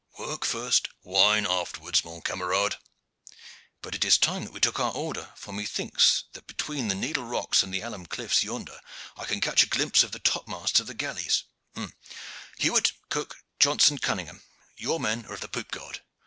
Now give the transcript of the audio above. "Work first, wine afterwards, mon camarade. But it is time that we took our order, for methinks that between the Needle rocks and the Alum cliffs yonder I can catch a glimpse of the topmasts of the galleys. Hewett, Cook, Johnson, Cunningham, your men are of the poop guard.